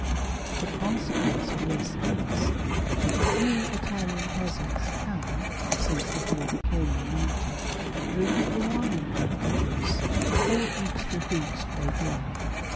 The consequence of this is, that few Italian peasants can, since Italy became " United," drink the wine they produce, or eat the wheat they grow.